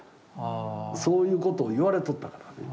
そういうことを言われとったからね。